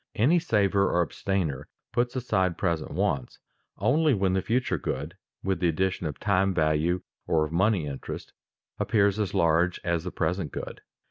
Any saver or abstainer puts aside present wants only when the future good, with the addition of time value or of money interest, appears as large as the present good.